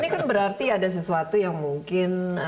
ini kan berarti ada sesuatu yang mungkin